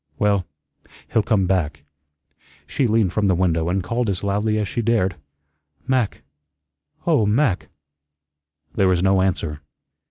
well, he'll come back." She leaned from the window and called as loudly as she dared, "Mac, oh, Mac." There was no answer.